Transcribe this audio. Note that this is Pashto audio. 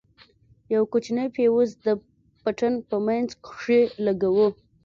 يو کوچنى فيوز د پټن په منځ کښې لگوو.